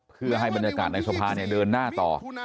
เพื่อให้บรรยากาศในสภาเดินหน้าต่อ